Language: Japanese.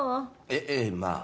ええまあ。